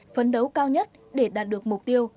phấn đấu cao nhất để đạt được mục tiêu